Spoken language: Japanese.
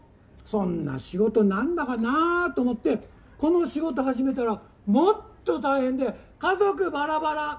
そんな仕事何だかなぁと思ってこの仕事始めたらもっと大変で家族ばらばら。